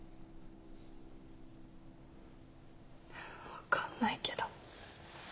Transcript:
分かんないけど。